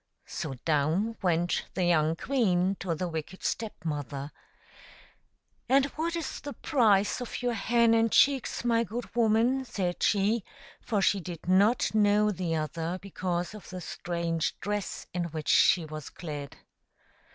'' So down went the young queen to the wicked Step mother ;" And what is the price of your hen and chicks, my good woman," said she, for she did not know the other, because of the strange dress in which she was clad.